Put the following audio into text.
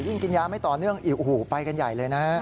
ยิ่งกินยาไม่ต่อเนื่องไปกันใหญ่เลยนะ